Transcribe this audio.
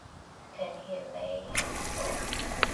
Then he lay and thought.